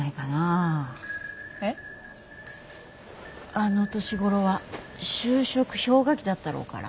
あの年頃は就職氷河期だったろうから。